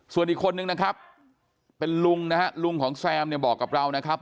ส่วนอีกคนนึงนะครับเป็นลุงนะฮะลุงของแซมเนี่ยบอกกับเรานะครับ